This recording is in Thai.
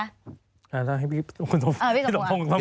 อ่าให้พี่สมควรพี่สมควร